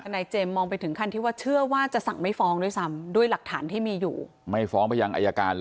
ในเมืองที่ด้านในจริง